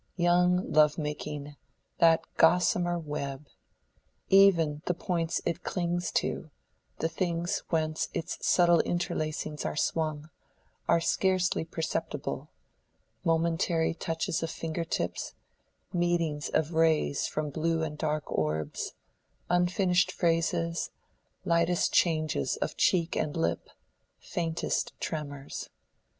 Young love making—that gossamer web! Even the points it clings to—the things whence its subtle interlacings are swung—are scarcely perceptible: momentary touches of fingertips, meetings of rays from blue and dark orbs, unfinished phrases, lightest changes of cheek and lip, faintest tremors.